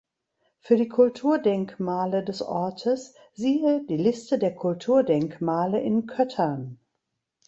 Für die Kulturdenkmale des Ortes siehe die Liste der Kulturdenkmale in Köttern.